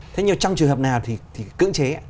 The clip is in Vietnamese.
thế nhưng trong trường hợp nào thì cưỡng chế